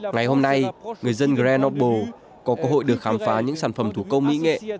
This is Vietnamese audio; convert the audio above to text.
ngày hôm nay người dân grenoble có cơ hội được khám phá những sản phẩm thủ công y nghệ